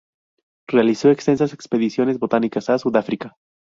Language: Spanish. Realizó extensas expediciones botánicas a Sudáfrica.